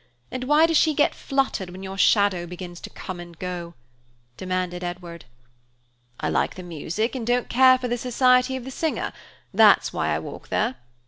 And why does she get fluttered when your shadow begins to come and go?" demanded Edward. "I like the music and don't care for the society of the singer, that's why I walk there.